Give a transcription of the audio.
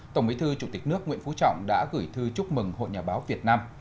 tổng bí thư chủ tịch nước nguyễn phú trọng đã gửi thư chúc mừng hội nhà báo việt nam